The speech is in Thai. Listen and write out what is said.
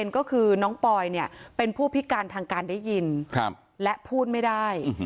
ก็คือน้องปอยเป็นผู้พิการทางการได้ยินและพูดไม่ได้